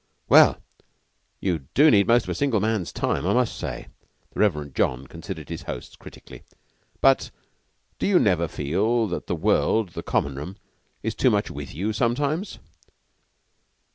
"Well, you do need most of a single man's time, I must say." The Reverend John considered his hosts critically. "But do you never feel that the world the Common room is too much with you sometimes?"